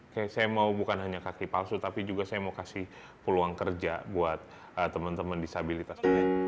kayak saya mau bukan hanya kaki palsu tapi juga saya mau kasih peluang kerja buat teman teman disabilitas